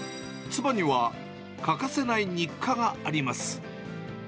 妻には欠かせない日課があります。